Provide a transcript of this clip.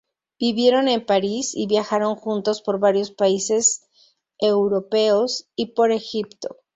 Vivieron en París y viajaron juntos por varios países europeos y por Egipto.